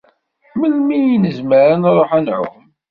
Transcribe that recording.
Melmi i nezmer ad nruḥ ad nɛumm?